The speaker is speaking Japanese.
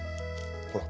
ほら！